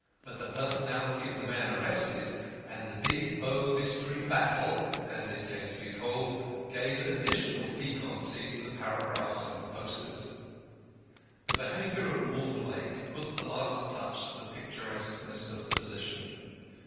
But the personality of the man arrested, and the Big Bow Mystery Battle as it came to be called gave additional piquancy to the paragraphs and the posters. The behaviour of Mortlake put the last touch to the picturesqueness of the position.